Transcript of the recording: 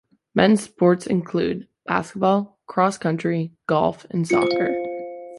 Men's sports include: basketball, cross country, Golf, and soccer.